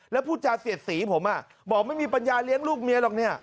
แล้วผู้จากเศียรษีผมบอกว่าไม่มีปัญญาเลี้ยงลูกเมียหรอก